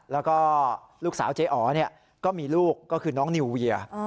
แล้วก็ลูกสาวเจ๊อ๋อก็มีลูกก็คือน้องนิวเวีย